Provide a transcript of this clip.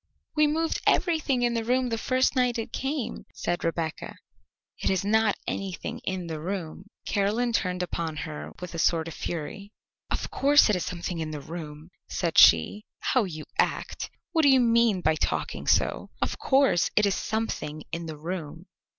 "We moved everything in the room the first night it came," said Rebecca; "it is not anything in the room." Caroline turned upon her with a sort of fury. "Of course it is something in the room," said she. "How you act! What do you mean by talking so? Of course it is something in the room."